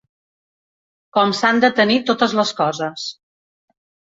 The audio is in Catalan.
Com s'han de tenir totes les coses.